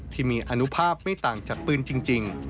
ที่มีอนุภาพไม่ต่างจากปืนจริง